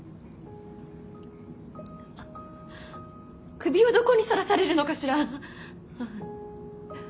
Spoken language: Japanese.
首はどこにさらされるのかしら。